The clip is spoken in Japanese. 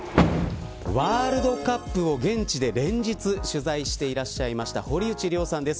ワールドカップを現地で連日取材していらっしゃいました堀内涼さんです。